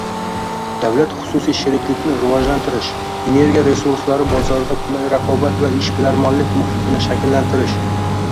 davlat-xususiy sheriklikni rivojlantirish, energiya resurslari bozorida qulay raqobat va ishbilarmonlik muhitini shakllantirish